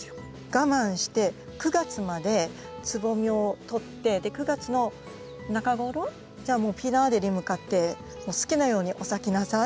我慢して９月までつぼみを取って９月の中頃じゃあもうフィナーレに向かって好きなようにお咲きなさい